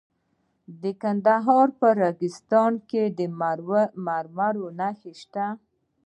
د کندهار په ریګستان کې د مرمرو نښې شته.